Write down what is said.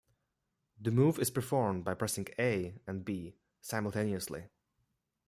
The move is performed by pressing A and B simultaneously.